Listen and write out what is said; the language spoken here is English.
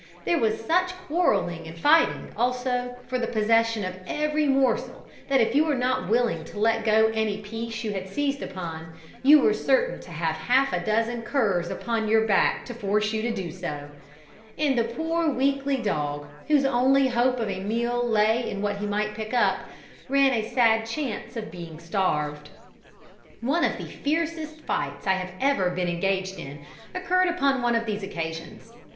There was such quarrelling and fighting, also, for the possession of every morsel, that if you were not willing to let go any piece you had seized upon, you were certain to have half a dozen curs upon your back to force you to do so; and the poor weakly dog, whose only hope of a meal lay in what he might pick up, ran a sad chance of being starved. One of the fiercest fights I have ever been engaged in occurred upon one of these occasions.